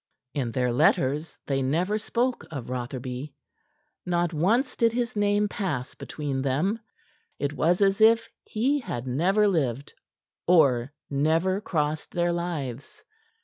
In their letters they never spoke of Rotherby; not once did his name pass between them; it was as if he had never lived or never crossed their lives.